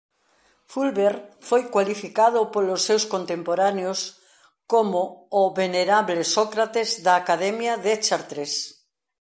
Fulbert foi cualificado polos seus contemporáneos como o «venerable Sócrates da Academia de Chartres».